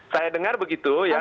saya dengar begitu ya